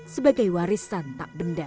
sebagai warisan tak benda